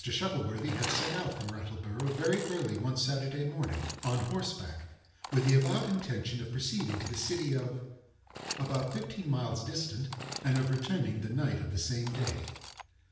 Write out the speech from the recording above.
Shuttleworthy had set out from Rattleborough very early one Saturday morning, on horseback, with the avowed intention of proceeding to the city of ——, about fifteen miles distant, and of returning the night of the same day.